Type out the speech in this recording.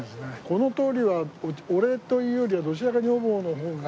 この通りは俺というよりはどちらかといえば女房の方が。